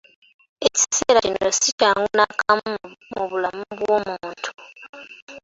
Ekiseera kino si kyangu n'akamu mu bulamu bw'omuntu.